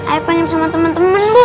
aku pengen sama temen temen bu